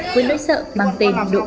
với nỗi sợ mang tên độ cao